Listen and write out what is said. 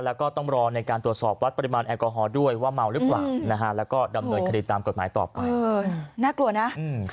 แล้วก็ต้องรอในการตรวจสอบวัดปริมาณแอลกอฮอล์ด้วยว่าเมาหรือเปล่านะฮะแล้วก็ดำเนินคดีตามกฎหมายต่อไปน่ากลัวนะ